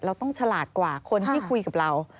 เราต้องฉลาดกว่าคนที่คุยกับเรา